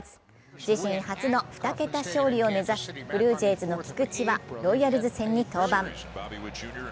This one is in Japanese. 自身初の２桁勝利を目指すブルージェイズの菊池はロイヤルズ戦に登板。